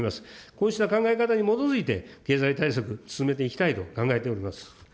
こうした考え方に基づいて、経済対策、進めていきたいと考えております。